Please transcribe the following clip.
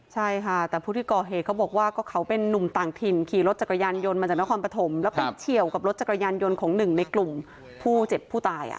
ใช่ค่ะแต่ผู้ที่ก่อเหตุเขาบอกว่าก็เขาเป็นนุ่มต่างถิ่นขี่รถจักรยานยนต์มาจากนครปฐมแล้วไปเฉียวกับรถจักรยานยนต์ของหนึ่งในกลุ่มผู้เจ็บผู้ตาย